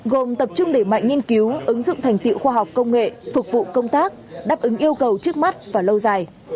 gồm tập trung để mạnh nghiên cứu ứng dụng thành tiệu khoa học công nghệ phục vụ công tác đáp ứng yêu cầu trước mắt và lâu dài